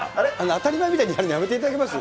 当たり前みたいにやるのやめていただけます？